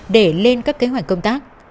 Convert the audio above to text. để lên các kế hoạch công tác